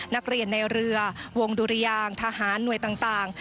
นักเรียนในเรือวงดุรยางทหารหน่วยต่าง